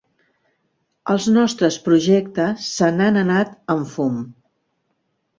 Els nostres projectes se n'han anat en fum.